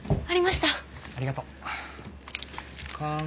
ありがとう。